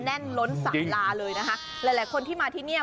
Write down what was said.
แน่นล้นสาลาเลยนะคะหลายหลายคนที่มาที่เนี่ย